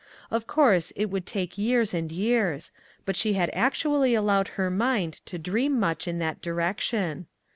Of course, it would take years and years, but she had actually allowed her mind to dream much in that direction.